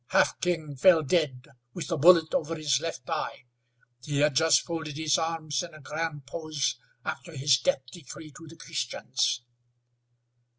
Half King fell dead with a bullet over his left eye. He had just folded his arms in a grand pose after his death decree to the Christians."